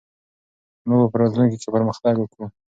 موږ به په راتلونکي کې پرمختګ وکړو.